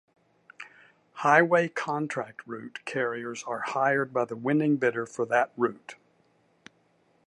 Highway Contract Route carriers are hired by the winning bidder for that route.